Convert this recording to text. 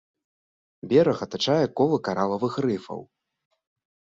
Бераг атачае кола каралавых рыфаў.